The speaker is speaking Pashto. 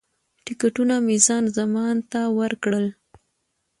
ټکټونه مې خان زمان ته ورکړل.